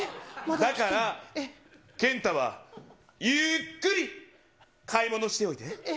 だから、けんたはゆーっくり買い物しておいて。